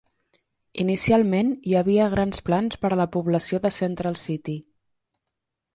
Inicialment, hi ha havia grans plans per a la població de Central City.